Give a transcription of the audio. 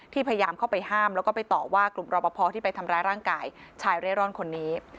พยายามเข้าไปห้ามแล้วก็ไปต่อว่ากลุ่มรอปภที่ไปทำร้ายร่างกายชายเร่ร่อนคนนี้